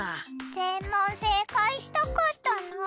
全問正解したかったな。